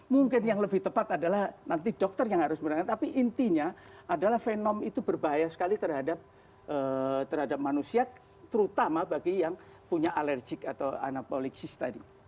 mungkin yang lebih tepat adalah nanti dokter yang harus menangani tapi intinya adalah fenom itu berbahaya sekali terhadap manusia terutama bagi yang punya alerjik atau anapolisis tadi